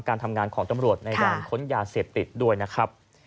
การทำงานของตำรวจในการค้นยาเสพติดด้วยนะครับ